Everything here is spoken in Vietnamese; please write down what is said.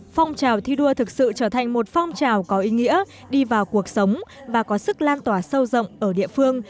phong trào thi đua thực sự trở thành một phong trào có ý nghĩa đi vào cuộc sống và có sức lan tỏa sâu rộng ở địa phương